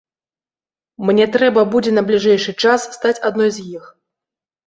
Мне трэба будзе на бліжэйшы час стаць адной з іх!